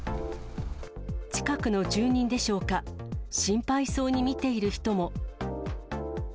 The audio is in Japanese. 近くの住人でしょうか、心配そうに見ている人も。